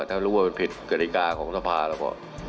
ถ้ารู้ว่าผิดเกรกาของสภาแล้วพอ